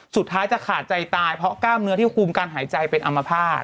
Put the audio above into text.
สุดท้ายจะขาดใจตายเพราะกล้ามเนื้อที่คุมการหายใจเป็นอัมพาต